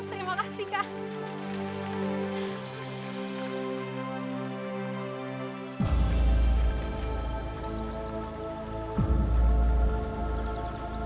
terima kasih kak